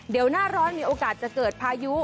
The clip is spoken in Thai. เดี๋ยวหน้าร้อนมีโอกาสจะเกิดพายุ